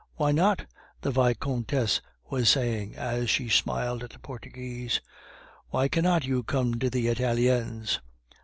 "Why not?" the Vicomtesse was saying, as she smiled at the Portuguese. "Why cannot you come to the Italiens?"